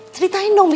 ceritain dong bi